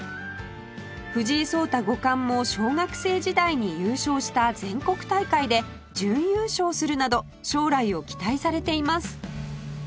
藤井聡太五冠も小学生時代に優勝した全国大会で準優勝するなど将来を期待されています